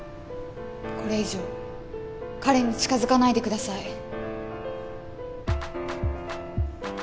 これ以上彼に近づかないでください。